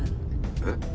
えっ？